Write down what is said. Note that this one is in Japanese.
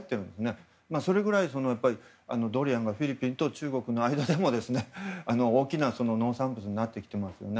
それぐらいドリアンがフィリピンと中国の間でも大きな農産物になってきていますよね。